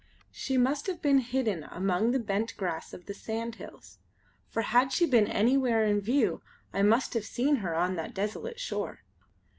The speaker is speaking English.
She must have been hidden among the bent grass of the sandhills for had she been anywhere in view I must have seen her on that desolate shore.